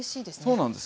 そうなんです。